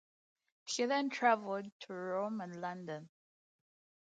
She then traveled to Rome and London.